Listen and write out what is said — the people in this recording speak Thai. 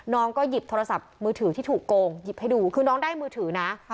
ก็หยิบโทรศัพท์มือถือที่ถูกโกงหยิบให้ดูคือน้องได้มือถือนะ